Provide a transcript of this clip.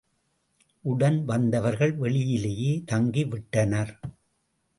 உடன் வந்தவர்கள் வெளியிலேயே தங்கிவிட்டனர்.